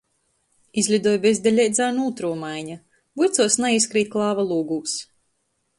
Izlidoj bezdeleidzānu ūtruo maiņa. Vuicuos naīskrīt klāva lūgūs.